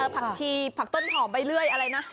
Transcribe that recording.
ผักชีผักต้นหอมใบเลื่อยอะไรนะ